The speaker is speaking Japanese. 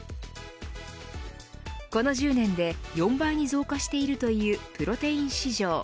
この１０年で４倍に増加しているというプロテイン市場。